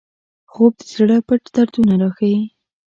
خوب د زړه پټ دردونه راښيي